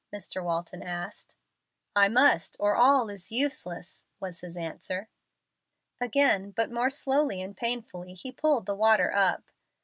Mr. Walton asked. "I must, or all is useless," was his answer. Again, but more slowly and painfully, he pulled the water up.